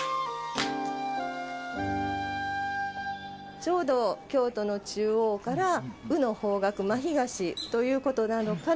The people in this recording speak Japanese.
ちょうど京都の中央から、卯の方角、真東ということなどから、